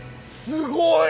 すごい。